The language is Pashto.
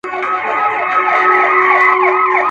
سیند بهیږي غاړي غاړي د زلمیو مستي غواړي.